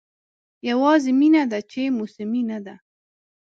یوازې مینه ده چې موسمي نه ده.